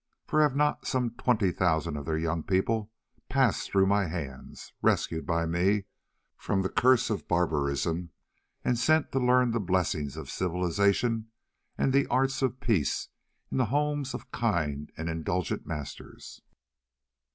For have not some twenty thousand of their young people passed through my hands, rescued by me from the curse of barbarism and sent to learn the blessings of civilisation and the arts of peace in the homes of kind and indulgent masters?